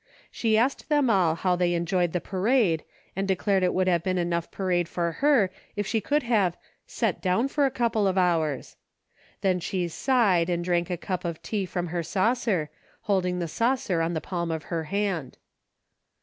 She asked them all how they enjoyed the parade and declared it would have been enough parade for her if she could have " set down for a couple of hours." Then she sighed and drank a cup of tea from her saucer, holding the saucer on the palm of her hand.